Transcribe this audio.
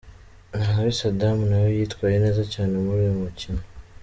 Nyandwi Sadam nawe yitwaye neza cyane muri uyu mukino.